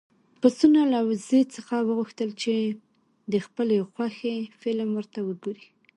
پسونه له وزې څخه وغوښتل چې د خپلې خوښې فلم ورته وګوري.